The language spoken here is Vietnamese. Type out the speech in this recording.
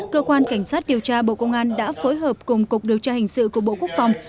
cơ quan cảnh sát điều tra bộ công an đã phối hợp cùng cục điều tra hình sự của bộ quốc phòng